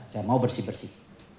saya mau bersih bersih